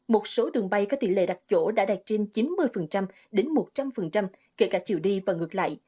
một số đường bay có tỉ lệ đặc dỗ đã đạt trên chín mươi đến một trăm linh kể cả chiều đi và ngược lại